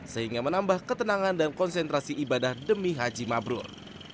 sehingga menambah ketenangan dan konsentrasi ibadah demi haji mabrur